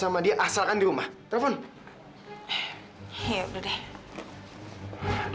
sa sashih aja yang itu pengen ketemu bark gentle